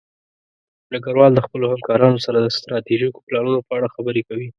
ډګروال د خپلو همکارانو سره د ستراتیژیکو پلانونو په اړه خبرې کوي.